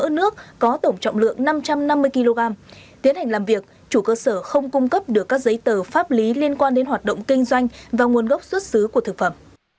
cơ nước có tổng trọng lượng năm trăm năm mươi kg tiến hành làm việc chủ cơ sở không cung cấp được các giấy tờ pháp lý liên quan đến hoạt động kinh doanh và nguồn gốc xuất xứ của thực phẩm